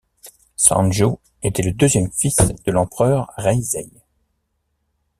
Sanjō était le deuxième fils de l'empereur Reizei.